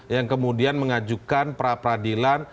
yang kemudian mengajukan pra peradilan